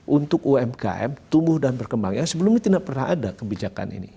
untuk umkm tumbuh dan berkembang yang sebelumnya tidak pernah ada kebijakan ini